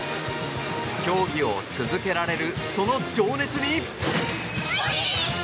競技を続けられるその情熱に。